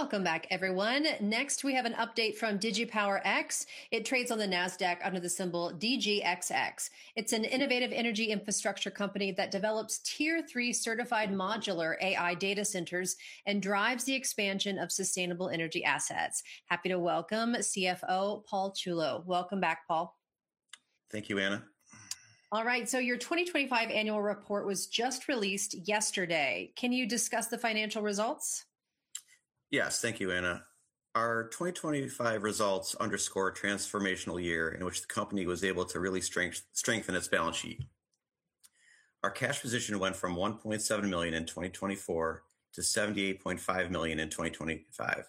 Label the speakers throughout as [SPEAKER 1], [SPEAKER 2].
[SPEAKER 1] Welcome back, everyone. Next, we have an update from Digi Power X. It trades on the Nasdaq under the symbol DGXX. It's an innovative energy infrastructure company that develops tier three certified modular AI data centers and drives the expansion of sustainable energy assets. Happy to welcome CFO Paul Ciullo. Welcome back, Paul.
[SPEAKER 2] Thank you, Anna.
[SPEAKER 1] All right. So your 2025 annual report was just released yesterday. Can you discuss the financial results?
[SPEAKER 2] Yes. Thank you, Anna. Our 2025 results underscore a transformational year in which the company was able to really strengthen its balance sheet. Our cash position went from $1.7 million in 2024 to $78.5 million in 2025,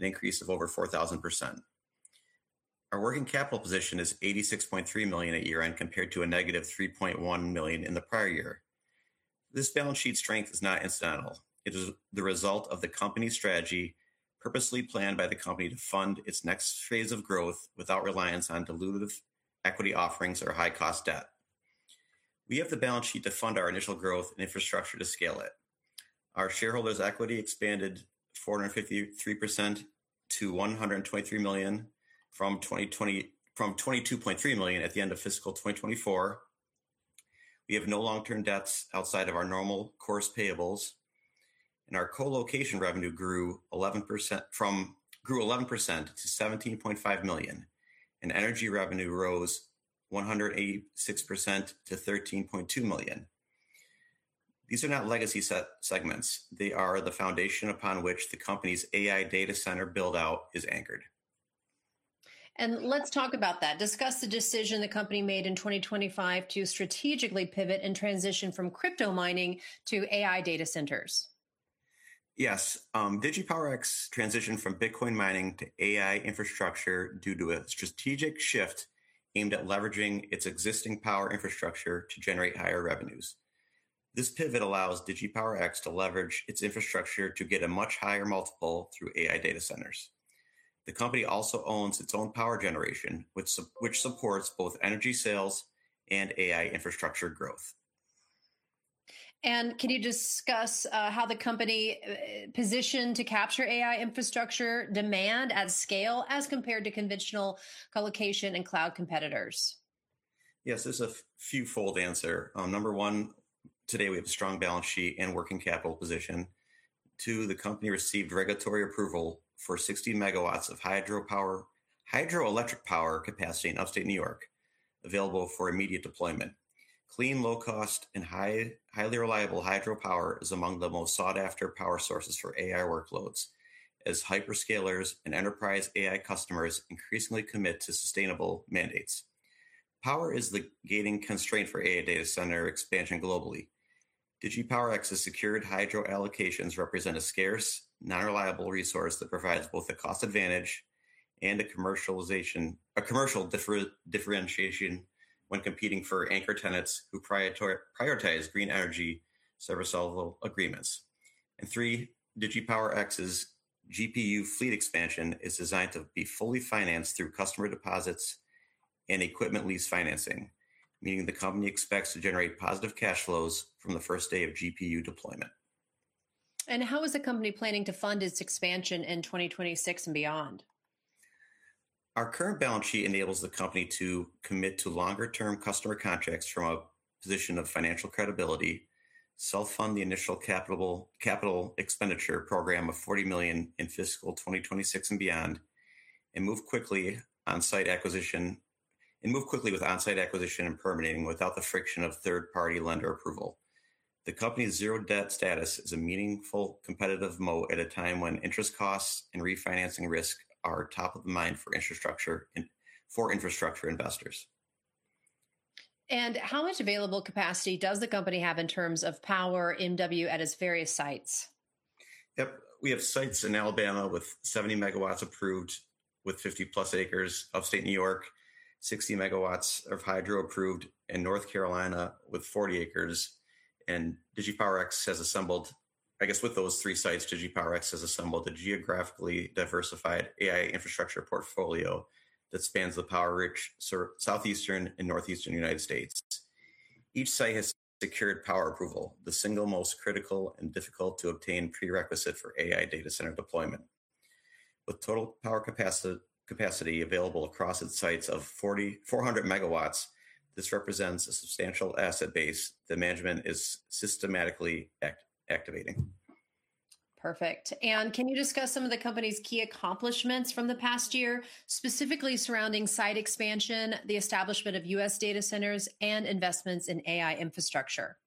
[SPEAKER 2] an increase of over 4,000%. Our working capital position is $86.3 million at year-end, compared to a -$3.1 million in the prior year. This balance sheet strength is not incidental. It is the result of the company's strategy purposely planned by the company to fund its next phase of growth without reliance on dilutive equity offerings or high-cost debt. We have the balance sheet to fund our initial growth and infrastructure to scale it. Our shareholders' equity expanded 453% to $123 million from $22.3 million at the end of fiscal 2024. We have no long-term debts outside of our normal course payables, and our colocation revenue grew 11% to $17.5 million, and energy revenue rose 186% to $13.2 million. These are not legacy segments. They are the foundation upon which the company's AI data center build-out is anchored.
[SPEAKER 1] And let's talk about that. Discuss the decision the company made in 2025 to strategically pivot and transition from crypto mining to AI data centers.
[SPEAKER 2] Yes. Digi Power X transitioned from Bitcoin mining to AI infrastructure due to a strategic shift aimed at leveraging its existing power infrastructure to generate higher revenues. This pivot allows Digi Power X to leverage its infrastructure to get a much higher multiple through AI data centers. The company also owns its own power generation, which supports both energy sales and AI infrastructure growth.
[SPEAKER 1] And can you discuss how the company positioned to capture AI infrastructure demand at scale as compared to conventional colocation and cloud competitors?
[SPEAKER 2] Yes. There's a few fold answer. Number one, today we have a strong balance sheet and working capital position. Two, the company received regulatory approval for 60 MW of hydroelectric power capacity in upstate New York, available for immediate deployment. Clean, low cost, and highly reliable hydropower is among the most sought-after power sources for AI workloads as hyperscalers and enterprise AI customers increasingly commit to sustainable mandates. Power is the gating constraint for AI data center expansion globally. Digi Power X's secured hydro allocations represent a scarce, reliable resource that provides both a cost advantage and a commercial differentiation when competing for anchor tenants who prioritize green energy service level agreements. And three, Digi Power X's GPU fleet expansion is designed to be fully financed through customer deposits and equipment lease financing, meaning the company expects to generate positive cash flows from the first day of GPU deployment.
[SPEAKER 1] And how is the company planning to fund its expansion in 2026 and beyond?
[SPEAKER 2] Our current balance sheet enables the company to commit to longer-term customer contracts from a position of financial credibility, self-fund the initial capital expenditure program of $40 million in fiscal 2026 and beyond, and move quickly with on-site acquisition and permitting without the friction of third-party lender approval. The company's zero debt status is a meaningful competitive moat at a time when interest costs and refinancing risk are top of mind for infrastructure investors.
[SPEAKER 1] And how much available capacity does the company have in terms of power in W at its various sites?
[SPEAKER 2] Yep. We have sites in Alabama with 70 MW approved, with 50+ acres, upstate New York, 60 MW of hydro approved, and North Carolina with 40 acres. Digi Power X has assembled, I guess with those three sites, a geographically diversified AI infrastructure portfolio that spans the power-rich southeastern and northeastern United States. Each site has secured power approval, the single most critical and difficult to obtain prerequisite for AI data center deployment. With total power capacity available across its sites of 400 MW, this represents a substantial asset base that management is systematically activating.
[SPEAKER 1] Perfect. And can you discuss some of the company's key accomplishments from the past year, specifically surrounding site expansion, the establishment of US Data Centers, and investments in AI infrastructure?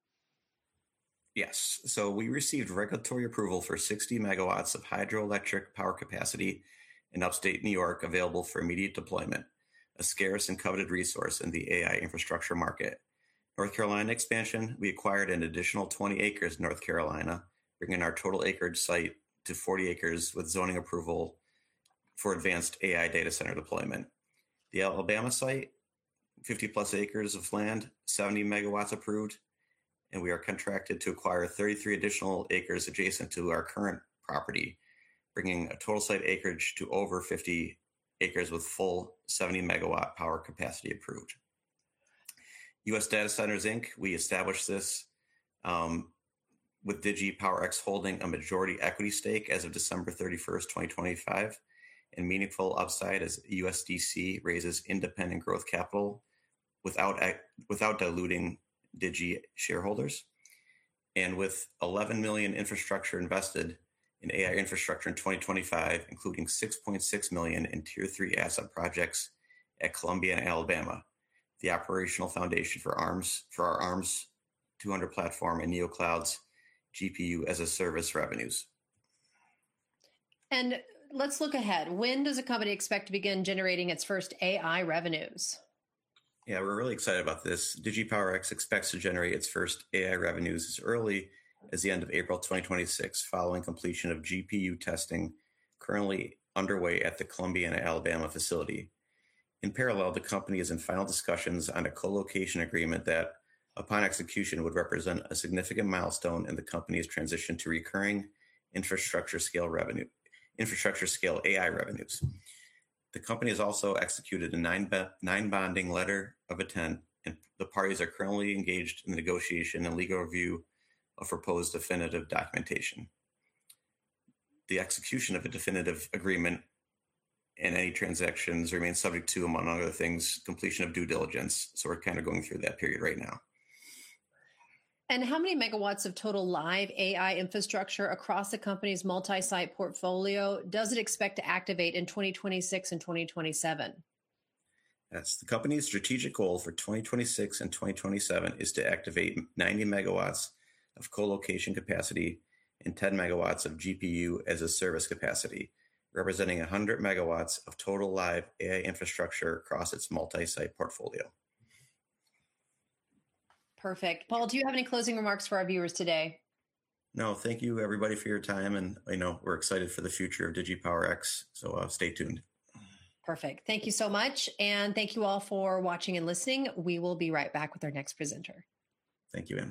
[SPEAKER 2] Yes. So we received regulatory approval for 60 MW of hydroelectric power capacity in upstate New York, available for immediate deployment, a scarce and coveted resource in the AI infrastructure market. North Carolina expansion, we acquired an additional 20 acres in North Carolina, bringing our total acreage site to 40 acres with zoning approval for advanced AI data center deployment. The Alabama site, 50+ acres of land, 70 MW approved, and we are contracted to acquire 33 additional acres adjacent to our current property, bringing a total site acreage to over 50 acres with full 70 MW power capacity approved. US Data Centers Inc, we established this with Digi Power X holding a majority equity stake as of December 31st, 2025, and meaningful upside as USDC raises independent growth capital without diluting Digi shareholders. And with $11 million in infrastructure invested in AI infrastructure in 2025, including $6.6 million in tier three asset projects in Columbiana, Alabama, the operational foundation for our ARMS 200 platform and NeoCloudz's GPU-as-a-Service revenues.
[SPEAKER 1] And let's look ahead. When does the company expect to begin generating its first AI revenues?
[SPEAKER 2] Yeah, we're really excited about this. Digi Power X expects to generate its first AI revenues as early as the end of April 2026, following completion of GPU testing currently underway at the Columbiana, Alabama facility. In parallel, the company is in final discussions on a co-location agreement that, upon execution, would represent a significant milestone in the company's transition to recurring infrastructure scale AI revenues. The company has also executed a non-binding letter of intent, and the parties are currently engaged in the negotiation and legal review of proposed definitive documentation. The execution of a definitive agreement and any transactions remain subject to, among other things, completion of due diligence. So we're kind of going through that period right now.
[SPEAKER 1] And how many megawatts of total live AI infrastructure across the company's multi-site portfolio does it expect to activate in 2026 and 2027?
[SPEAKER 2] That's the company's strategic goal for 2026 and 2027 is to activate 90 MW of colocation capacity and 10 MW of GPU-as-a-Service capacity, representing 100 MW of total live AI infrastructure across its multi-site portfolio.
[SPEAKER 1] Perfect. Paul, do you have any closing remarks for our viewers today?
[SPEAKER 2] No. Thank you everybody for your time, and I know we're excited for the future of Digi Power X, so, stay tuned.
[SPEAKER 1] Perfect. Thank you so much, and thank you all for watching and listening. We will be right back with our next presenter.
[SPEAKER 2] Thank you, Anna.